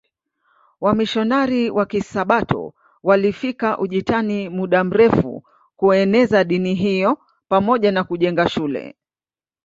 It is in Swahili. Wamisionari wa Kisabato walifika Ujitani muda mrefu kueneza dini hiyo pamoja na kujenga shule